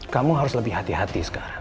kamu harus lebih hati hati sekarang